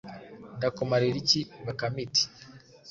ndakumarira iki? “Bakame iti:”